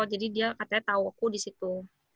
jadi dia katanya tau aku disitu